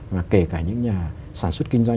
mà kể cả những nhà sản xuất kinh doanh